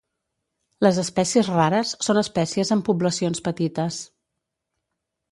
Les espècies rares són espècies amb poblacions petites.